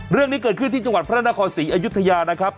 เรื่องนี้เกิดขึ้นที่จังหวัดพระนครศรีอยุธยานะครับ